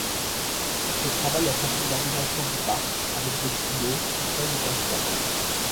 Ce travail a permis l'aménagement du parc, avec des chutes d'eau, fontaines et cascades.